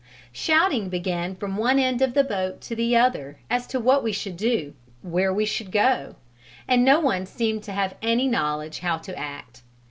Shouting began from one end of the boat to the other as to what we should do, where we should go, and no one seemed to have any knowledge how to act.